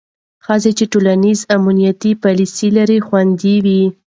ښځې چې ټولنیز امنیتي پالیسۍ لري، خوندي وي.